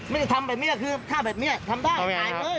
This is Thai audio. ไม่ใช่ทำแบบนี้คือฆ่าแบบนี้ทำได้ถ่ายเลย